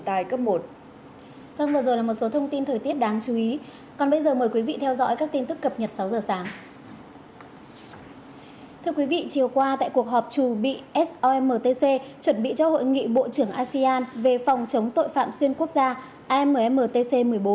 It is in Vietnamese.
thưa quý vị chiều qua tại cuộc họp trù bị somtc chuẩn bị cho hội nghị bộ trưởng asean về phòng chống tội phạm xuyên quốc gia ammtc một mươi bốn